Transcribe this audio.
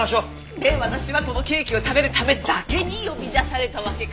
で私はこのケーキを食べるためだけに呼び出されたわけか。